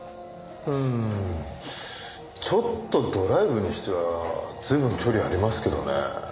うんちょっとドライブにしては随分距離ありますけどね。